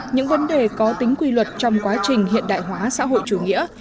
những vấn đề có tính quy luật trong quá trình hiện đại hóa xã hội chủ nghĩa